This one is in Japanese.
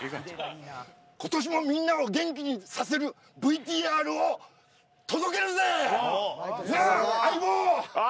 今年も、みんなを元気にさせるＶＴＲを届けるぜ！なあ？